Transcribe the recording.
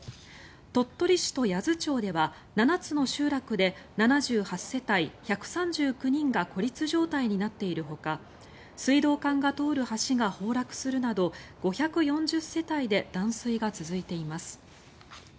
鳥取市と八頭町では７つの集落で７８世帯１３９人が孤立状態になっているほか水道管が通る橋が崩落するなど５４０世帯で断水が続いています。